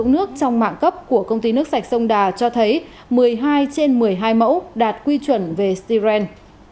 nước trong mạng cấp của công ty nước sạch sông đà cho thấy một mươi hai trên một mươi hai mẫu đạt quy chuẩn về styren